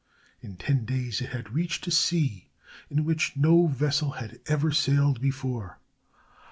In ten days it had reached a sea in which no vessel had ever sailed before.